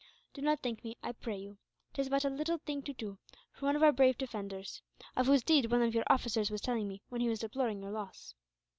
"Do not thank me, I pray you. 'Tis but a little thing to do, for one of our brave defenders; of whose deeds one of your officers was telling me, when he was deploring your loss."